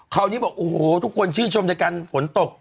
คราวนี้บอกโอ้โหทุกคนชื่นชมด้วยกันฝนตก